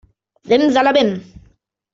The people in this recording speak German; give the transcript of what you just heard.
Simsalabim!